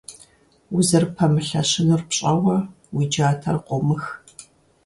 Узэрыпэмылъэщынур пщӀэуэ, уи джатэр къумых.